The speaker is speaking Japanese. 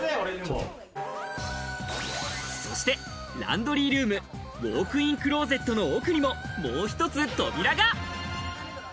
そして、ランドリールーム、ウォークインクローゼットの奥にももう一つ扉が。